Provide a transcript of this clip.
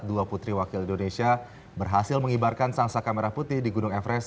dua putri wakil indonesia berhasil mengibarkan sangsa kamera putih di gunung everest